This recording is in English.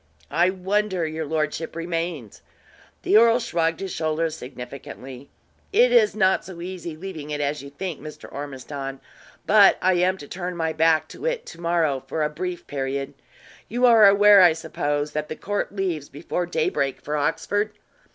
"I wonder your lordship remains?" The earl shrugged his shoulders significantly. "It is not so easy leaving it as you think, Mr. Ormiston; but I am to turn my back to it to morrow for a brief period. You are aware, I suppose, that the court leaves before daybreak for Oxford."